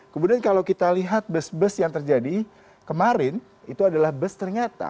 kemudian kalau kita lihat bus bus yang terjadi kemarin itu adalah bus ternyata